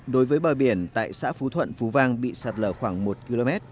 đối với bờ biển tại xã phú thuận phú vang bị sạt lở khoảng một km